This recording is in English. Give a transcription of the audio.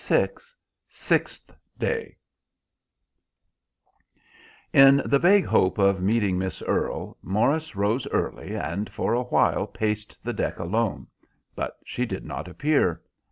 Sixth Day In the vague hope of meeting Miss Earle, Morris rose early, and for a while paced the deck alone; but she did not appear.